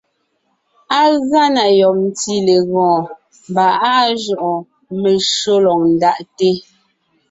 Á gʉa na yɔb ntí legɔɔn, mbà áa jʉʼɔɔn, meshÿó lɔg ńdaʼte.